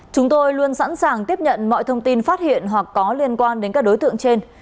chúng tôi luôn sẵn sàng tiếp nhận mọi thông tin phát hiện hoặc có liên quan đến các đối tượng trên